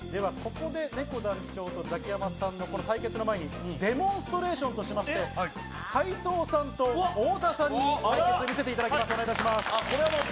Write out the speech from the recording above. ねこ団長とザキヤマさんの対決の前に、デモンストレーションとして斉藤さんと太田さんに対決を見せていただきます。